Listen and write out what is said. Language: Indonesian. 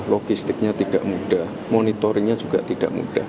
logistiknya tidak mudah monitoringnya juga tidak mudah